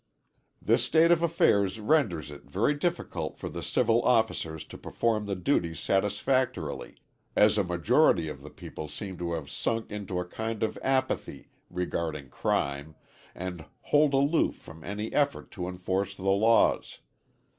This state of affairs renders it very difficult for the civil officers to perform the duties satisfactorily, as a majority of the people seem to have sunk into a kind of apathy regarding crime, and hold aloof from any effort to enforce the laws.